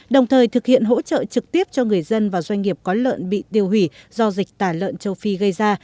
đồng thời thực hiện hỗ trợ trực tiếp cho người dân và doanh nghiệp có lợn bị tiêu hủy do dịch tả lợn châu phi gây ra